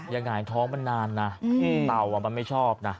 หงายท้องมันนานนะเต่ามันไม่ชอบนะ